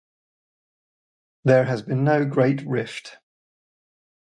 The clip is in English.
There has been no great rift.